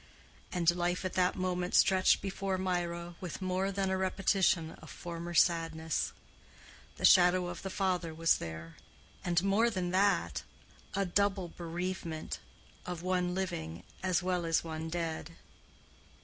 And life at that moment stretched before Mirah with more than a repetition of former sadness. The shadow of the father was there, and more than that, a double bereavement—of one living as well as one dead.